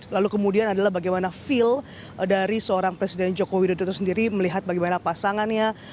lalu kemudian adalah bagaimana feel dari seorang presiden joko widodo itu sendiri melihat bagaimana pasangannya